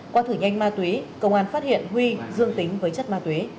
qua thử nhanh ma túy công an phát hiện huy dương tính với chất ma túy